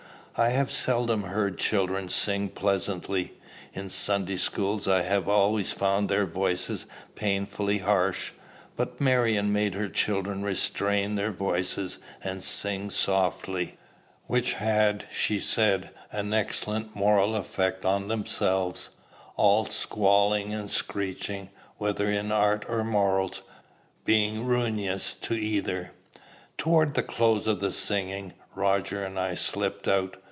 I have seldom heard children sing pleasantly. In Sunday schools I have always found their voices painfully harsh. But Marion made her children restrain their voices, and sing softly; which had, she said, an excellent moral effect on themselves, all squalling and screeching, whether in art or morals, being ruinous to either. Toward the close of the singing, Roger and I slipped out.